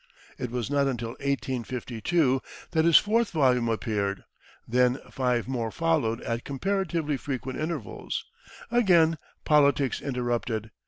It was not until 1852 that his fourth volume appeared, then five more followed at comparatively frequent intervals. Again politics interrupted.